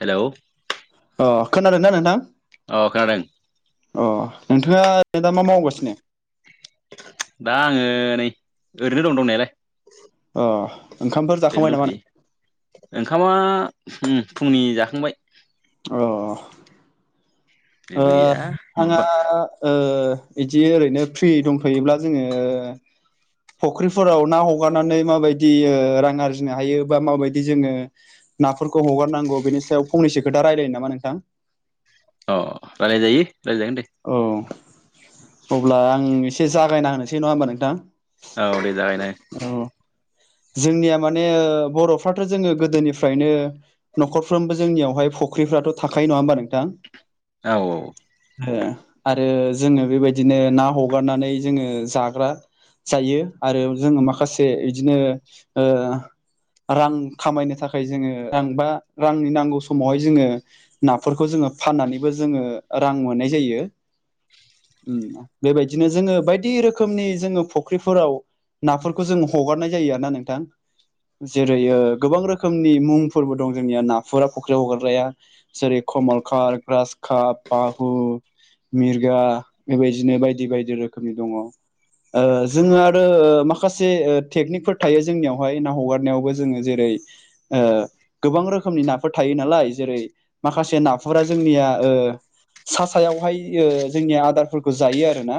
हेल'? अ खोनादोंनाा नोंथां? अ खोनादों। अ नोंथांङा दा मा मावगासिनो। दा आंङो नै ओरैनो दं दंनायालाय। अ ओंखामफोर जाखांबाय ओरैनो नामा नों। दंथ'यो ओंखामा फुंनि जाखांबाय। अ जेबो गैया आंहा माबा बिदि ओरैनो फ्रि दंफैयोब्ला जोंङो? फुख्रिफोराव ना हगारनानै माबायदि रां आरजिनो हायो बा माबायदि जोंङो नाफोरखौ हगारनांगौ बेनि सायाव फंनैसो खोथा रायल्लायोनो नामा नोंथां। अ रायलायजायो। रायलायजागोन दे। औ अब्ला आं एसे जागायना होनोसै नंङा होनबा नोंथां। औ दे जाबाय दे। औ जोंनिया माने बर'फ्राथ' जोंङो गोदोनिफ्रायनो। न'खरफ्रोमबो जोंनियावहाय फख्रिफ्राथ' थाखायो नंङा होमबा नोंथां। औ औ आरो जोंङो बेबायदिनो ना हगारनानै जोंङो जाग्रा जायो आरो जोंङो माखासे बिदिनो रां खामायनो थाखाय जोंङो रां बा रांनि नांगौ समावहाय जोंङो। नाफोरखौ जोंङो फाननानैबो जोंङो रां मोननाय जायो। बेबायदिनो जोंङो बायदि रोखोमनि जोंङो फुख्रिफोराव नाफोरखौ जों हगारनाय जायो आरो ना नोंथां। जेरैय गोबां रोखोमनि मुंफोरबो दं जोंनिया नाफोरा फख्रि हगारग्राया जेरै कमलखार गासखाब बाहु मिरगा बेबायदिनो बायदि बायदि रोखोमनि दंङ। जोंङो आरो माखासे टेकनिकफोर थायो जोंनियावहाय ना हगारनायावबो जोंङो जेरै। ओ गोबां रोखोमनि नाफोर थायो नालाय जेरै माखासे नाफफोरा जोंनिया सा सायावहाय जोंनिया आदारफोरखौ जायो आरो ना।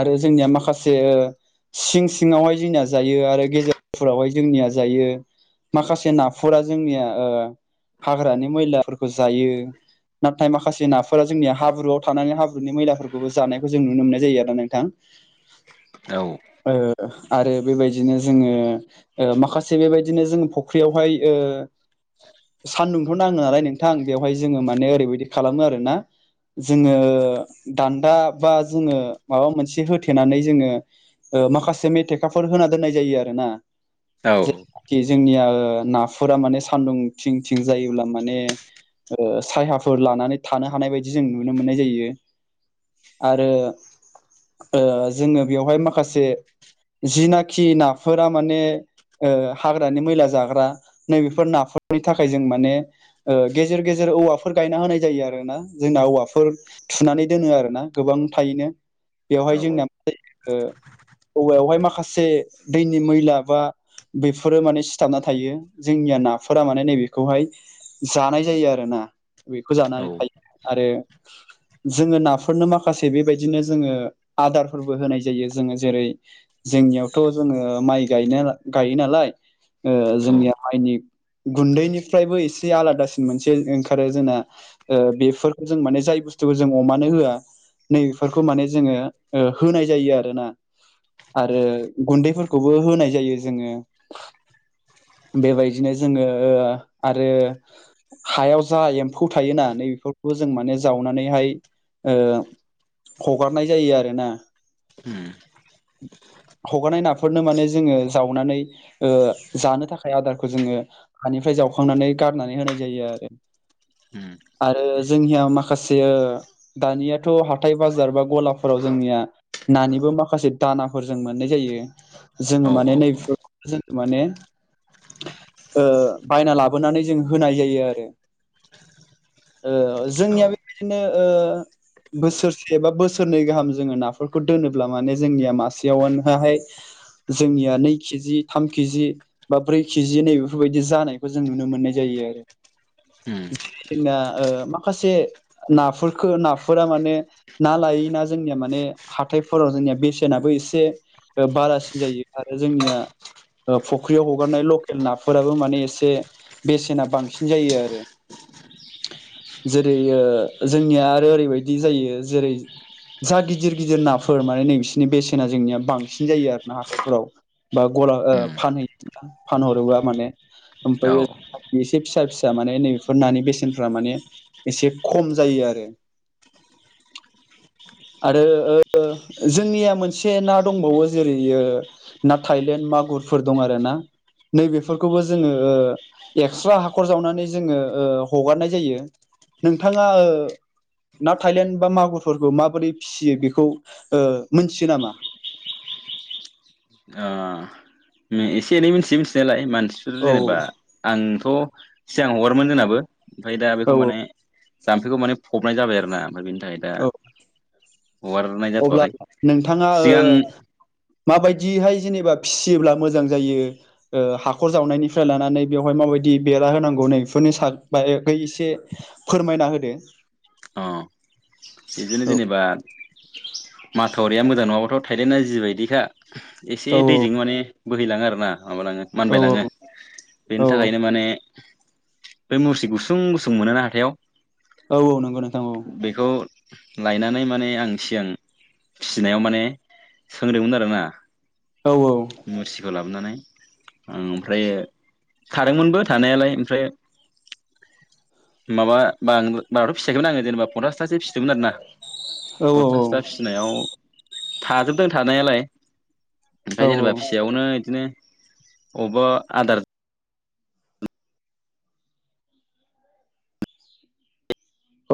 आरो जोंनिया माखासे सिं सिङावहाय जोंनिया जायो आरो गेजेरफोरावहाय जोंनिया जायो माखासे नाफोरा जोंनिया हाग्रानि मैलाफोरखौ जायो। नाथाय माखासे नाफोरा जोंनिया हाब्रुआव थानानै हाब्रुनि मैलाफोरखौबो जानायखौ जों नुनो मोननाय जायो आरो ना नोंथां। औ आरो बेबायदिनो जोंङो। माखासे बेबायदिनो जोंङ फुख्रियावहाय सान्दुंथ' नांङो नालाय नोंथां बेवहाय जोंङो माने ओरैबायदि खालामो आरोना। जोंङो दान्दा बा जोंङो माबा मोनसे होथेनानै जोंङो माखासे मेथेखाफोर होना दोननाय जायो आरो ना। औ ज बाखि जोंनिया नाफोरा माने सान्दुं थिं थिं जायोब्ला माने सायाफोर लानानै थानो हानाय बायदि जों नुनो मोननाय जायो। आरो जोंङो बेवहाय माखासे जिनाखि नाफोरा माने हाग्रानि मैला जाग्रा नैबेफोर नाफोरनि थाखाय जों माने गेजेर गेजेर औवा फ फोर गायना होनाय जायो आरो ना जोंना औवाफोर थुनानै दोनो आरो ना गोबां थायैनो बेवहाय औ जोंनिया मा जायो औवायावहाय माखासे दैनि मैला बा बेफोरो माने सिथाबना थायो जोंनिया नाफोरा माने नैबेखौहाय जानाय जायो आरोोना बेखौ औ जानानै थायो आरो जोङो नाफोरनो माखासे बेबायदिनो जोङो आदारफोरबो होनाय जायो जोङो जेरै जोंनियावथ' जोङो माइ गायनो गायो नालाय औ जोंनिया आायनि गुन्दैनिफ्रायबो एसे आलादासिन मोनसे ओंखारो जोंना बेफोरखौ जों माने जाय बुस्थुखौ जों अमानो होआ नैफोरखौ माने जोङो होनाय जायो आरोना आरो गुन्दैफोरखौबो होनाय जायो जोङो। बेबायदिनो जोङो आरो हायाव जा एम बेखौ थायोना नै बेफोरखौबो जों माने जावनानैहाय ओ हगारनाय जायो आरोना उम हगारनाय नाफोरनो माने जोङो जावनानै जानो थाखाय आदारखौ जोङो हानिफ्राय जावखांनानै गारनानै होनाय जायो आरो उम आरो जोंनिया माखासे दानियाथ' हाथाय बाजार बा गलाफोराव जोंनिया नानिबो माखासे दानाफोर जों मोननाय जायो जोङो औ माने औ नै औ जों माने बायना लाबोनानै जों होनाय जायो आरो ओ औ जोंनिया बेबायदिनो ओ बोसोरसे बा बोसोरनै गाहाम जोङो नाफोरखौ दोनोब्ला माने जोंनिया मासेयावनोहहाय जोंनिया नै केजि थाम केजि बा ब्रै केजि नै बेफोरबायदि जानायखौ जों नुनो मोननाय जायो आरो उम जोंना माखासे नाफोरख नाफोरा माने ना लाय ना जोंनिया माने हाथायफोराव जोंनिया बेसेनाबो एसे बारासिन जायो आरो जोंनिया ओ फुख्रियाव हगारनाय लकेल नाफोराबो माने एसे बेसेना बांसिन जायो आरो। जेरै जोंनिया आरो ओरैबायदि जायो जेरै जा गिदिर गिदिर नाफोर माने नै बिसोरनि बेसेना जोंनिया बांसिन जायो आरो ना हाथायफोराव। बा गला उम फानहैयो फानहरोबा माने औ ओ ओमफ्राय एसे फिसा फिसा माने नै फनि बेसेनफ्रा माने एसे खम जायो आरो आरो ओ जोंनिया मोनसे ना दंबावो जेरै ओ ना थाइलेण्ड मागुरफोर दं आर ना नैबेफोरखौबो जोङो ओ एक्सट्रा हाखर जावनानै जोङो ओ हगारनाय जायो नोंथाङा ओ ना थाइलेण्ड बा मागुरफोरखौ माबोरै फिसियो बेखौ ओ मोनथियो नामा? एसे एनै मिथियोै मिथिनायालाय मानसिफोर औ जेनेबा आंथ' सिगां हगारोमोन जोंनाबो ओमफ्राय दा औ बेखौ माने जाम्फैखौ माने फबनाय जाबाय आरो ना ओमफ्राय बेनि थाखाय दा औ हगारनाय अब्ला जाथ'वाखै नोंथाङा ओ सिगां माबायदिहाय जेनेबा फिसियोब्ला मोजां जायो? ओ हाखर जावनायनिफ्राय लानानै बेवहाय माबायदि बेरा होनांगौ नै बेफोरनि सा बाखै एसे फोरमायना होदो। अ बिदिनो औ जेनेबा माथावरिया मोजां नङाबाथ' थाइदेना जिबायदिखा। एसे औ दैजों माने बोहैलाङो आरो ना माबालाङो औ मानबायलाङो। औ बेनि थाखायनो माने बे मुरसि गुसुं गुसुं मोनोना हाथायाव औ औ नंगौ नोंथां औ। बेखौ लायनानै माने आं सिगां फिसिनायाव माने सोंदोंमोन आरोना। औ मुरसिखौ लाबोनानै ओमफ्राय थादोंमोनबो थानायालाय ओमफ्राय माबा बरा थ' फिसिखायमोन आङो जेनेबा पनसासथासो फिसिदोंमोन आरो ना औ फनसासथा फिसिनायाव थाजोबदों थानायालाय औ ओमफ्राय जेनेबा फिसायावनो इदिनो अबबा आदार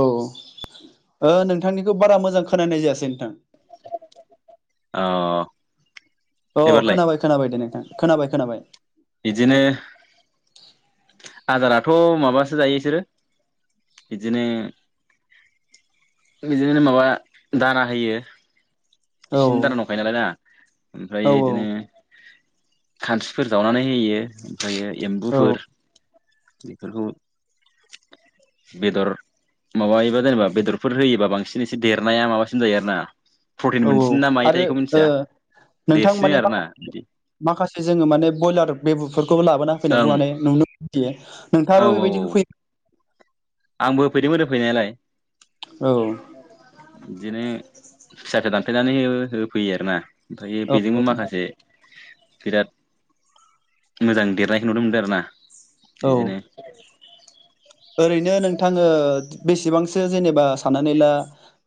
औ औ ओ नोंथांनिखौ बारा मोजां खोनानाय जायासै नोंथां औ अ खोनाबाय खोनाबाय दे नोंथां खोनाबाय खोनाबाय बिदिनो आदाराथ' माबासो जायो बिसोरो बिदिनो बिदिनो माबा दाना होयो औ इसिनि दानाव नालाय दा ओमफ्राय औ बिदिनो औ खानस्रिफोर जावनानै होयो। होयो औ एम्बुफोर बेफोरखौ बेदर माबायोबा जेनेबा बेदरफोर होयोबा बांसिन एसे देरनाया माबासिन जायो आरोना औ औ आरो ओ नोंथां देरसिनो माने मा आरोना बिदि माखासे जोङो माने ब्रयलार बेबुफोरखौबो लाबोना ओं होैनायखौ माने नुनों [unintelligible] फोयो औ नोंथाङाबो बेबायदि औ होफैयो आंबो होफैदोंमोन होफैनायालाय औ बिदिनो फिसखौ दानफेनानै हो होफैयो आरो ना। ओमफ्रायो औ बेजोंबो माखासे बिराद मोजां देरनायखौ नुदोंमोनदों आरोना औ बिदिनो [inaudible] ओरैनो नोंथाङो बेसेबांसो जेनेबा साननानै ला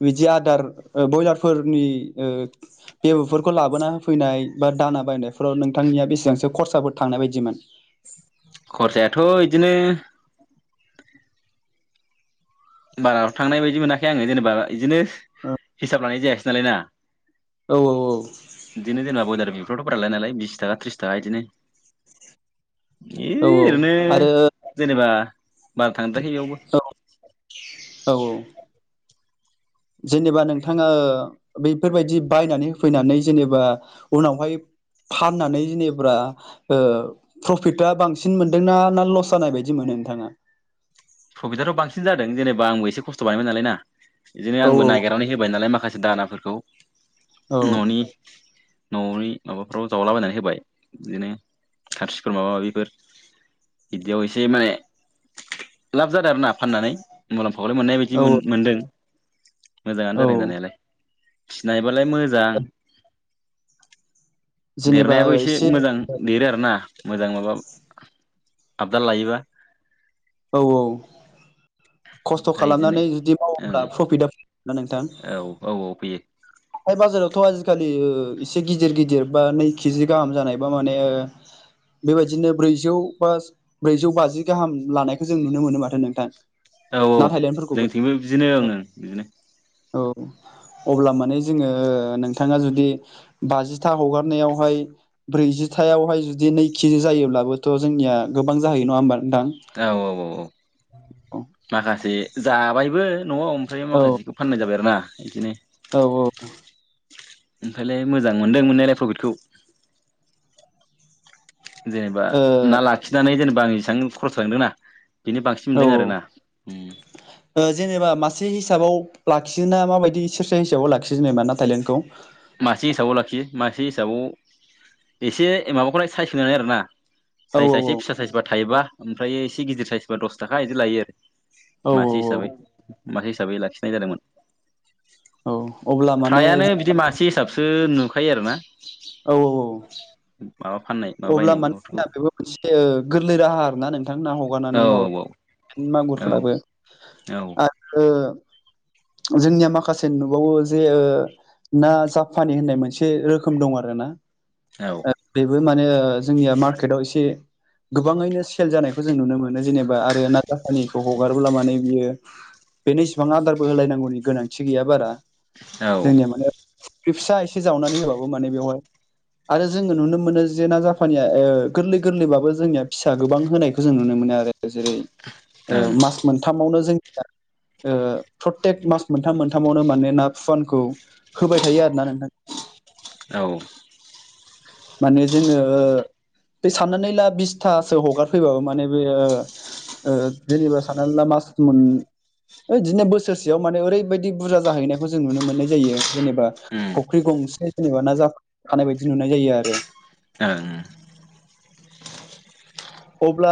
बिदि आदार ओ ब्रयलारफोरनि ओ बेब'फोरखौ लाबोना होफैनाय बा दाना बायनायफोराव नोंथांनिया बेसेबांसो खरसाफोर थांनाय बायदि मोनो? खरसायाथ' इदिनो बारााव थांनाय बायदि मोनाखै आङो जेनेबा बिदिनो हिसाब लानाय जायासै नालाय ना औ औ औ बिदिनो जेनबा ब्रयलार बिफोरावथ' बाललाय नालाय बिस थाखा त्रिस थाखा बिदिनो इ औ ओरैनो आरो जेनेबा बारा थांद्राखै इयावबो औ औ औ जेनेबा नोंथाङा बेैफोरबायदि बायनानै होफैनानै जेनेबा उनावहाय फाननानै जेनेब्रा ओ प्रफिटा बांसिन मोनदोंना ना लस जानाय बायदि मोनो नोंथाङा? प्रफिटआथ' बांसिन जादों जेनेबा आंबोसे खस्थ' बानायबायमोन नालाय ना बिदिनो औ आंबो नायगेर दाउनि होबाय नालाय माखासे दानाफोरखौ न'नि न'नि माबाफ्राव जावलाबायनानै होबाय बिदिनो खारसिफोर माबा माबिफोर बिदियाव एसे माने लाब जादों आरो ना फाननानै मुलाम्फााय मोननाय औ बायदि मोनदों। मोजाङानो औ जादों जानायालाय फिसिनो हायोबालाय मोजां देरनायाबो एसे मोजां देरो आरोना मोजां माबा आपडा लायोबा औ औ खस्थ' ओमफ्राय बिदिनो खालामनानै जुदि ओं मावोब्ला प्रफिटआ फै ना नोंथां औ औ औ फैयो हाय बाजारावथ' आजिखालि एसे गिदिर गिदिर बा नै केिजि गाहाम जानायबा माने बेबायदिनो ब्रैजौ बा ब्रैजौ बाजि गाहाम लानायखौ जों नुनो मोनो माथो नोंथां। औ औ ना थाइलेण्डफोरखौबो जोंथिंबो बिदिनो आं बिदिनो औ अब्ला माने जोङो नोंथाङा जुदि बाजिथा हगारनायावहाय ब्रैजिथायावहाय जुदि नै केजि जायोब्लाबोथ' जोंनिया गोबां जाहैयो नङा होमबा नोंदां औ औ औ औ माखासे जाबायबो न'आव ओमफ्राय माखासेखौ फाननाय जाबाय आरो ना बिदिनो औ औ ओमफ्रायलाय मोजां मोनदों मोननायलाय प्रभिटखौ जेनेबा ना लाखिनानै जेनेबा आं एसेबां खरस थांदोंना बेनो बांसिन औ मोनदों आरो ना जेनेबा मासे हिसाबाव लाखियोोन ना माबायदि सेरसा हिसाबाव लाखियो जेनेबा ना थायलेण्डखौ मासे हिसाबाव लाखियो मासे हिसाबाव एसे माबाखौलाय साइज होननानै आरो ना औ साइजआ एसे औ फिसा साइसबा थायोबा ओमफ्राय एसे गिदिर साइसबा दस थाखा बिदि लायो आरो औ मासे हिसाबै मासे हिसाबै लाखिनाय जादोंमोन औ अब्ला माने फ्रायानो बिदि मासे हिसाबसो नुखायो आरो ना औ -औ औ [unintelligible] माबा फाननाय माबा अब्ला बायनाय मानो होनना माबाफोरखौ बेबो मोनसे गोरलै राहा आरोना नोंथां होमबा औ हगारनानै माब औ औ मागुरफोराबो औ आरो जोंनिया माखासे नुबावो जे ना जाफानि होननाय मोनसे रोखोम दं आरो ना औ बेबो माने जोंनिया मार्केटाव एसे गोबाङैनो सेल जानायखौ जों नुनो मोनो जेनेबा आरो ना जाहानिखौ हगारोब्ला माने बियो बेनो इसिबां आदारबो होलायनांगौनि गोनांथि गैया बारा औ जोंनिया माने फुख्रि फिसा एसे जावनानै होबाबो माने बेवहाय आरो जोङो नुनो मोनो जेना जापानिया गोरलै गोरलैबाबो जोंनिया फिसा गोबां होनायखौ जों नुनो मोनो आरो जेरै ओं मास मोनथामावनो जोंनिया प्र्रतेक मास मोनथाम मोनथामावनो माने ना फुवानखौ होबाय थायो आरोना नोंथां औ माने जोङो बे साननानै ला बिसथासो हगारफैबाबो माने बे जेनेबा साननानै ला मास मोनसेयाव बिदिनो बोसोर ससेयाव माने ओरैबायदि बुरजा जाहैनायखौ जों नुनो मोननाय जायो जेनेबा फुख्रि गंसे जेनेबा ना जानाय बायदि नुनाय जायो आरो [unintelligible] अब्ला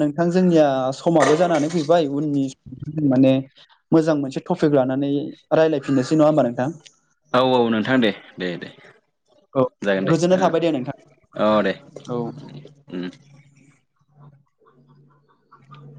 नोंथां जोंनिया समाबो जानानै फैबाय उननि जों माने मोजां मोनसे टपिक लानानै रायलायफिननोसै नङा होमबा नोंथां औ औ नोंथां दे दे दे औ जागोन दे गोजोननाय थाबाय दे नोंथां औ दे औ उम औ